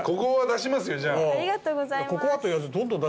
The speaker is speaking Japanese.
ありがとうございます。